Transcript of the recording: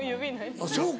あっそうか。